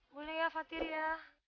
boleh ya fatir ya